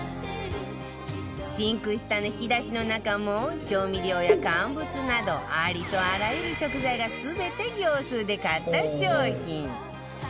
シンク下の引き出しの中も調味料や乾物などありとあらゆる食材が全て業スーで買った商品